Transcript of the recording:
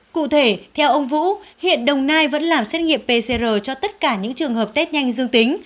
cụ thể theo ông vũ hiện đồng nai vẫn làm xét nghiệm pcr cho tất cả những trường hợp test nhanh dương tính